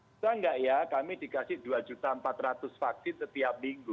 bisa nggak ya kami dikasih dua empat ratus vaksin setiap minggu